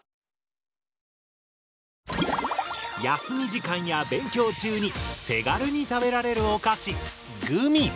休み時間や勉強中に手軽に食べられるお菓子「グミ」！